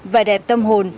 vài đẹp tâm hồn